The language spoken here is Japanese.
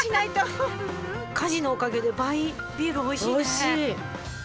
火事のおかげで倍ビールおいしいね。